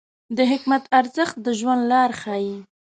د حکمت ارزښت د ژوند لار ښیي.